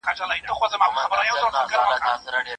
بیا مي پورته له ګودره د پاولیو شرنګهار کې